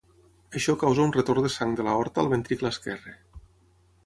Això causa un retorn de sang de l'aorta al ventricle esquerre.